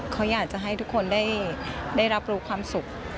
เขาอยากจะให้ทุกคนได้รับรู้ความสุข